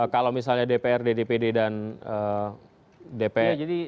kalau misalnya dpr ddpd dan dpr